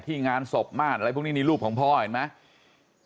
งานศพม่านอะไรพวกนี้นี่รูปของพ่อเห็นไหม